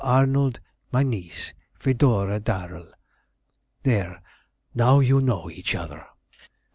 Arnold, my niece, Fedora Darrel. There, now you know each other."